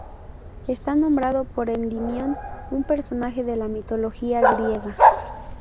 Está nombrado por Endimión, un personaje de la mitología griega.